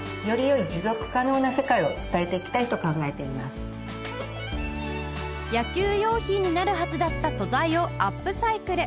浅野さんが野球用品になるはずだった素材をアップサイクル